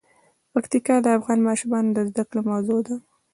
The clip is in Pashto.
پکتیکا د افغان ماشومانو د زده کړې موضوع ده.